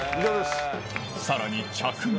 さらに、着岸。